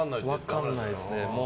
分からないですね。